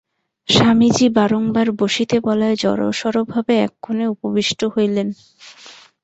স্বামীজী বারংবার বসিতে বলায় জড়সড়ভাবে এক কোণে উপবিষ্ট হইলেন।